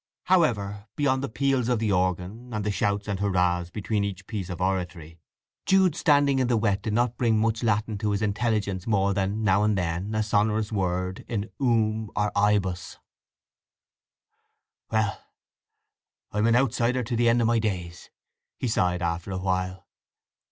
However, beyond the peals of the organ, and the shouts and hurrahs between each piece of oratory, Jude's standing in the wet did not bring much Latin to his intelligence more than, now and then, a sonorous word in um or ibus. "Well—I'm an outsider to the end of my days!" he sighed after a while.